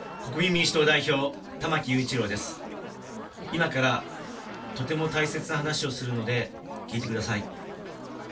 今から、とても大切な話をするので聞いてください。